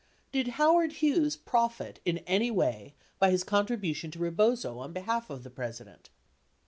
Did Howard Hughes profit in any way by his contribution to Rebozo on behalf of the President